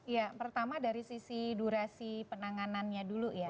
ya pertama dari sisi durasi penanganannya dulu ya